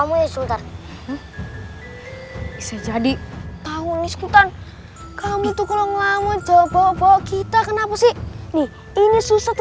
bisa jadi tahu nih sekutan kamu tuh kalau ngamon jawab kita kenapa sih nih ini susah